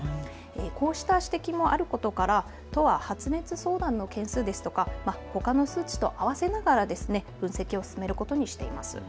こうした指摘もあることから都は発熱相談の件数ですとかほかの数値とあわせながら分析を進めることにしています。